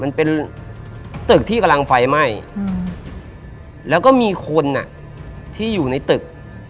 มันเป็นตึกที่กำลังไฟไหม้แล้วก็มีคนอ่ะที่อยู่ในตึก